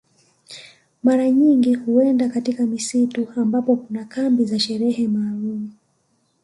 Mara nyingi huenda katika misitu ambapo kuna kambi za sherehe maalum